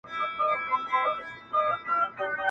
ټول وخت چي په لگيا يم داسي كار راته وســـــاتــه